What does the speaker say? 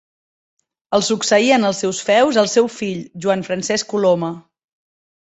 El succeí en els seus feus el seu fill Joan Francesc Coloma.